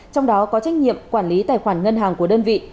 trong đó có trách nhiệm quản lý tài khoản ngân hàng của đơn vị